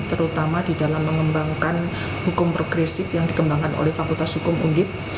terutama di dalam mengembangkan hukum progresif yang dikembangkan oleh fakultas hukum undip